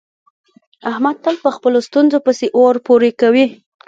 احمد تل په خپلو ستونزو پسې اور پورې کوي.